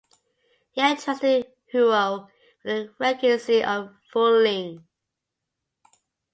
He entrusted Huo with the regency of Fuling.